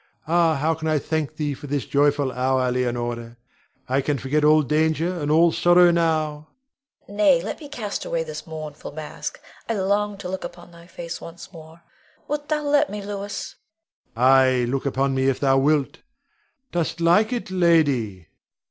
Ah, how can I thank thee for this joyful hour, Leonore. I can forget all danger and all sorrow now. Leonore. Nay, let me cast away this mournful mask! I long to look upon thy face once more. Wilt thou let me, Louis? Rod. Ay, look upon me if thou wilt; dost like it, lady?